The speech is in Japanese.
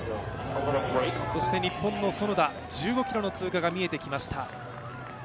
そして日本の園田、１５ｋｍの通過が見えてきました。